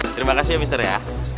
terima kasih ya mr ya